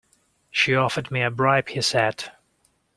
She offered me a bribe, he said.